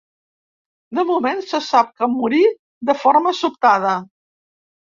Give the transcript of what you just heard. De moment se sap que morí de forma sobtada.